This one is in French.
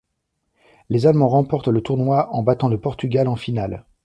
Les Allemands remportent le tournoi en battant le Portugal en finale.